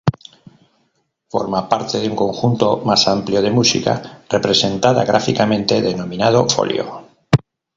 Forma parte de un conjunto más amplio de música representada gráficamente denominado "Folio".